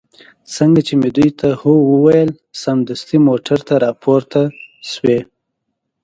څنګه چې مې دوی ته هو وویل، سمدستي موټر ته را پورته شوې.